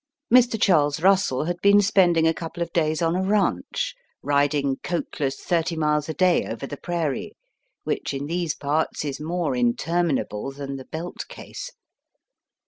Mr. Charles Eussell had been spending a couple of days on a ranche, riding coatless thirty miles a day over the prairie, which in these parts is more interminable than the Belt case.